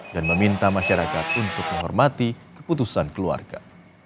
dan meminta masyarakat untuk menghormati keputusan keluarga